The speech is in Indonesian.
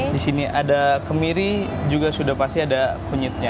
di sini ada kemiri juga sudah pasti ada kunyitnya